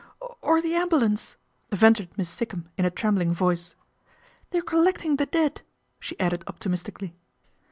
" Or the ambulance," ventured Miss Sikkum in a trembling voice. " They're collecting the dead," she added optimistically.